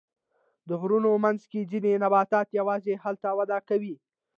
د غرونو منځ کې ځینې نباتات یوازې هلته وده کوي.